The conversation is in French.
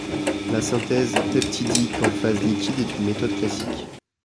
La synthèse peptidique en phase liquide est une méthode classique.